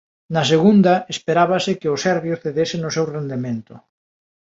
Na segunda esperábase que o serbio cedese no seu rendemento.